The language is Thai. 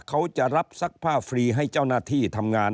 เขาจะรับซักผ้าฟรีให้เจ้าหน้าที่ทำงาน